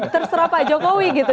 terserah pak jokowi gitu